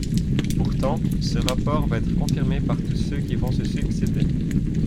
Pourtant, ce rapport va être confirmé par tous ceux qui vont se succéder.